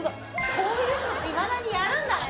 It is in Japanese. こういうのっていまだにやるんだね